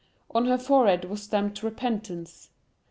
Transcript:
On her forehead was stamped Repentance.